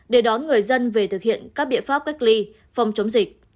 để đón người dân về thực hiện các biện pháp cách ly phòng chống dịch